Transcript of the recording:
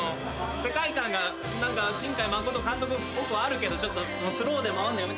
世界観が新海誠監督っぽくあるけどちょっとスローで回んのやめて。